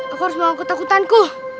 aku harus melawan ketakutanku